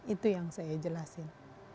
itu yang saya jelaskan